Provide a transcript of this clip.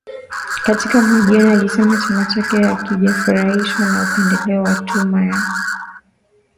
Katika mahojiano alisema chama chake hakijafurahishwa na upendeleo wa tume ya uchaguzi